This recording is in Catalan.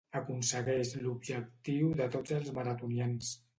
Aconsegueix l'objectiu de tots els maratonians.